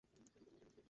ওটা অনেক কিউট!